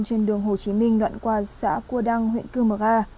trên đường hồ chí minh đoạn qua xã cua đăng huyện cư mờ ga